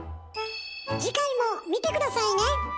次回も見て下さいね！